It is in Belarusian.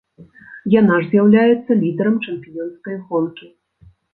Яна ж з'яўляецца лідэрам чэмпіёнскай гонкі.